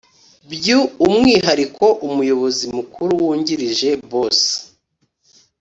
byu umwihariko umuyobozi mukuru wungirije bosi